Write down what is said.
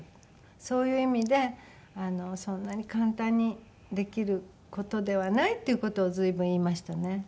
そういう意味でそんなに簡単にできる事ではないっていう事を随分言いましたね。